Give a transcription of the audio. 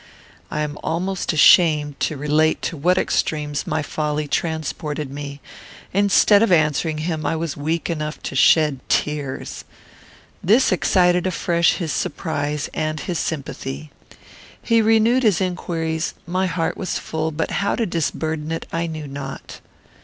I am almost ashamed to relate to what extremes my folly transported me. Instead of answering him, I was weak enough to shed tears. This excited afresh his surprise and his sympathy. He renewed his inquiries; my heart was full, but how to disburden it I knew not.